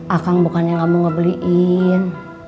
akang bukannya gak mau ngebeliin